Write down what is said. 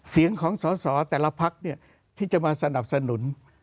เสียงของสอสอแต่ละพักที่จะมาสนับสนุน